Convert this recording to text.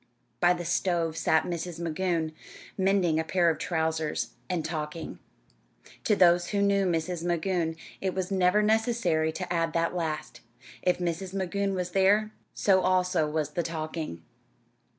By the stove sat Mrs. Magoon, mending a pair of trousers and talking. To those who knew Mrs. Magoon, it was never necessary to add that last if Mrs. Magoon was there, so also was the talking.